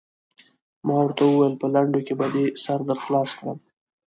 ما ورته وویل: په لنډو کې به دې سر در خلاص کړم.